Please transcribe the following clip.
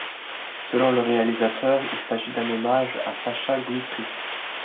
Selon le réalisateur, il s'agit d'un hommage à Sacha Guitry.